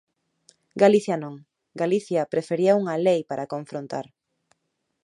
Galicia non, Galicia prefería unha lei para confrontar.